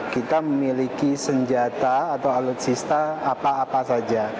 kita memiliki senjata atau alutsista apa apa saja